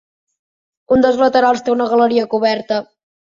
Un dels laterals té una galeria coberta.